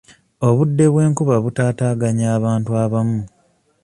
Obudde bw'enkuba butaataaganya abantu abamu.